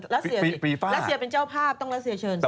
รัสเซียเป็นเจ้าภาพต้องรัสเซียเชิญ